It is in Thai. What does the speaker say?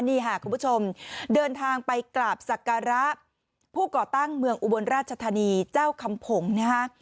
นี่ค่ะคุณผู้ชมเดินทางไปกราบศักระผู้ก่อตั้งเมืองอุบลราชธานีเจ้าคำผงนะฮะ